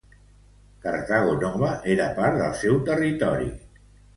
Cartago Nova era part del seu territori.